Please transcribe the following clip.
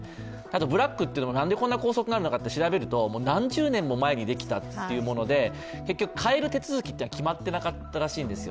ブラックというのも、何でこんな校則だと調べると何十年も前にできたやつで変える手続きが決まってなかったらしいんですよ。